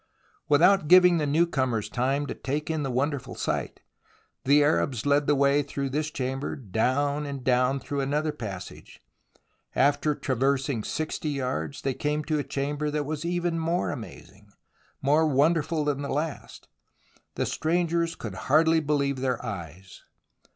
Without giving the newcomers time to take in the wonderful sight, the Arabs led the way through this chamber down and down through another passage. After traversing 60 yards they came to a chamber that was even more amazing, more wonderful than the last. The strangers could hardly believe their eyes.